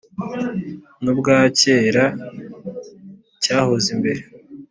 n’ubwa kera cyahoze imbere